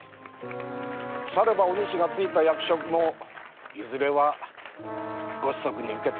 さればお主が就いた役職もいずれはご子息に受け継がれるでしょう。